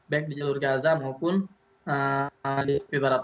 baik di jalur gaza maupun di titik biparat